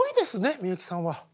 みゆきさんは。